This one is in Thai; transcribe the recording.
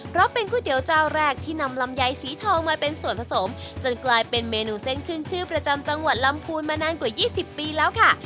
เพราะเป็นก๋วยเตี๋ยวเจ้าแรกที่นำลำไยสีทองมาเป็นส่วนผสมจนกลายเป็นเมนูเส้นขึ้นชื่อประจำจังหวัดลำพูนมานานกว่า๒๐ปีแล้วค่ะ